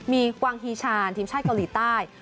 มีกวางฮีชานทีมชาติเกาหลีใต้